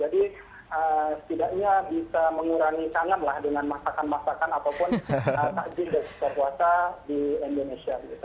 jadi setidaknya bisa mengurangi tangan lah dengan masakan masakan ataupun takjid dan buka puasa di indonesia